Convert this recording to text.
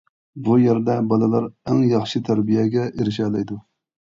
بۇ يەردە، بالىلار ئەڭ ياخشى تەربىيەگە ئېرىشەلەيدۇ.